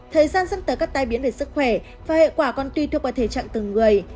thời gian dẫn tới các tai biến về sức khỏe và hệ quả còn tùy thuộc vào thể trạng từng người